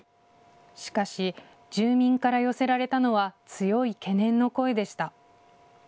しかし、住民から寄せられたのは強い懸念の声でした。